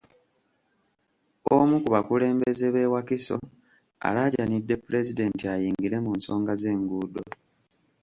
Omu ku bakulembeze b'e Wakiso alaajanidde Pulezidenti ayingire mu nsonga z'enguudo.